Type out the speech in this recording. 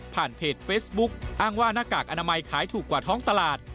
เพจเฟซบุ๊กอ้างว่าหน้ากากอนามัยขายถูกกว่าท้องตลาด